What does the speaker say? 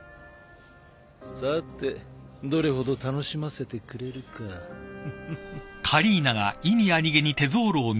さてどれほど楽しませてくれるかフフフ。